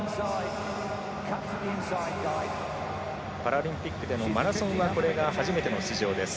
パラリンピックでのマラソンはこれが初めての出場です。